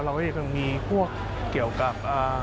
เราก็ยังคงมีพวกเกี่ยวกับ